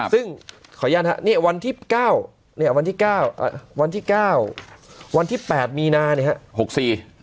ซึ่งขออนุญาตนะครับวันที่๙วันที่๘มีนานะครับ